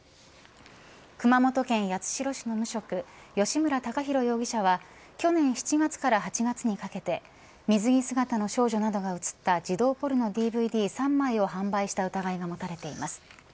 熊本県八代市の無職吉村宇裕容疑者は去年７月から８月にかけて水着姿の少女などが映った児童ポルノＤＶＤ３枚を販売した疑いが持たれています。